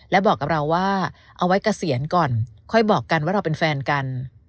และบอกกับเราว่าเอาไว้เกษียณก่อนค่อยบอกกันว่าเราเป็นแฟนกัน